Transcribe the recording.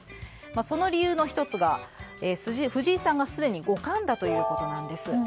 その理由の１つが藤井さんがすでに五冠だということです。